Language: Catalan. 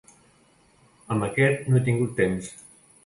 Amb aquest no he tingut temps.